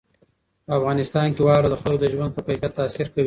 په افغانستان کې واوره د خلکو د ژوند په کیفیت تاثیر کوي.